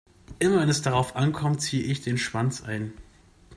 Immer wenn es darauf ankommt, ziehe ich den Schwanz ein.